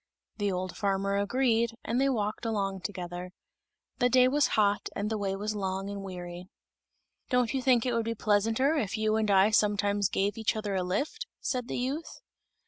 The old farmer agreed, and they walked along together. The day was hot, and the way was long and weary. "Don't you think it would be pleasanter if you and I sometimes gave each other a lift?" said the youth.